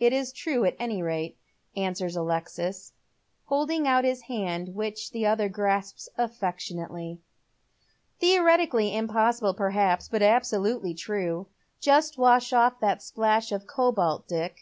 It's true, at any rate," answers Alexis, holding out his hand, which the other grasps affectionately. "Theoretically impossible, perhaps, but absolutely true. Just wash off that splash of cobalt, Dick.